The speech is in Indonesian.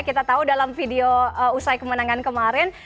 kita tahu dalam video usai kemenangan kemarin